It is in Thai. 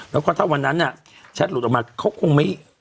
แล้วก็ถ้าวันนั้นแชทหลุดออกมาเขาคงไม่